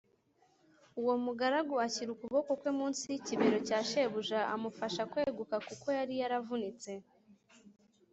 uwo mugaragu ashyira ukuboko kwe munsi y ikibero cya shebuja amufasha kweguka kuko yari yaravunitse.